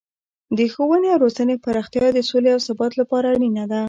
د ښوونې او روزنې پراختیا د سولې او ثبات لپاره اړینه ده.